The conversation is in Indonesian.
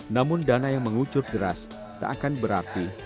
namun dana yang mengucur deras tak akan berarti